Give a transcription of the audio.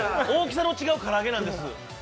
大きさの違う唐揚げなんです。